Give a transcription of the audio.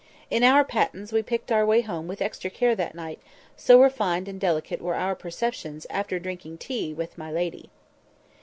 In our pattens we picked our way home with extra care that night, so refined and delicate were our perceptions after drinking tea with "my lady."